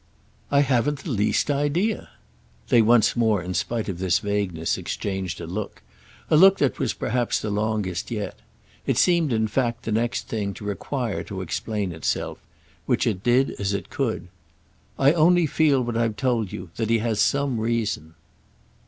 "I haven't the least idea!" They once more, in spite of this vagueness, exchanged a look—a look that was perhaps the longest yet. It seemed in fact, the next thing, to require to explain itself; which it did as it could. "I only feel what I've told you—that he has some reason."